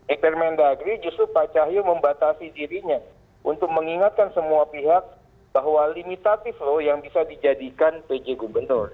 eh permendagri justru pak cahyo membatasi dirinya untuk mengingatkan semua pihak bahwa limitatif loh yang bisa dijadikan pj gubernur